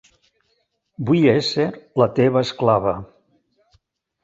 Vull ésser la teva esclava.